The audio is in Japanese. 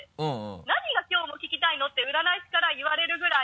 何がきょうも聞きたいの？って占い師から言われるぐらい。